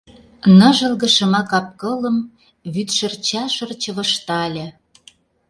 Ныжылге-шыма кап-кылым Вӱдшырча шыр чывыштале.